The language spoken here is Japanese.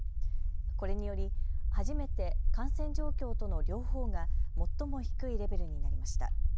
これにより初めて感染状況との両方が最も低いレベルになりました。